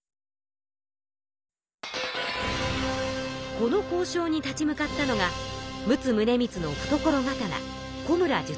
この交渉に立ち向かったのが陸奥宗光のふところ刀